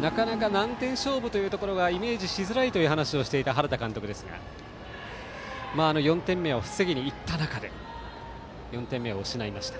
なかなか何点勝負というところはイメージしづらいという話をしていた原田監督ですが４点目を防ぎにいった中で４点目を失いました。